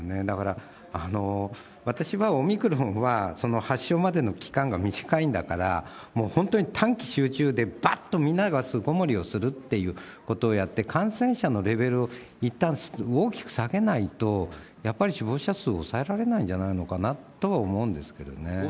だから、私はオミクロンは、その発症までの期間が短いんだから、本当に短期集中で、ばっとみんなが巣ごもりをするということをやって、感染者のレベルをいったん大きく下げないと、やっぱり死亡者数を抑えられないんじゃないのかなと思うんですけどね。